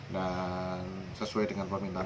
dan sesuai dengan permintaan